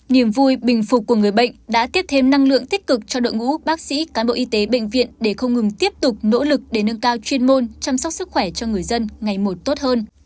niềm vui bình phục của người bệnh đã tiếp thêm năng lượng tích cực cho đội ngũ bác sĩ cán bộ y tế bệnh viện để không ngừng tiếp tục nỗ lực để nâng cao chuyên môn chăm sóc sức khỏe cho người dân ngày một tốt hơn